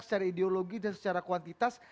secara ideologi dan secara kuantitas